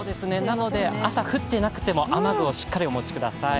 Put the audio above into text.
なので、朝降っていなくても雨具をしっかりとお持ちください。